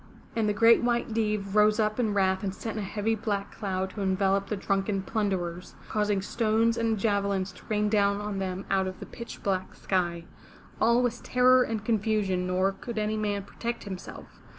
And the Great White Deev rose up in wrath and sent a heavy black cloud to envelope the drunken plunderers, causing stones and javelins to rain down on them out of the pitch black sky. All was terror and confusion, nor could any man protect himself.